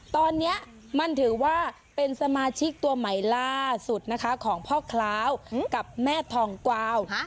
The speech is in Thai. ตอนนี้มันถือว่าเป็นสมาชิกตัวใหม่ล่าสุดนะคะของพ่อคล้าวกับแม่ทองกวาว